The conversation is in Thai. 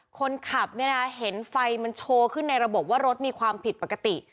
คนขับเนี่ยนะเห็นไฟมันโชว์ขึ้นในระบบว่ารถมีความผิดปกติ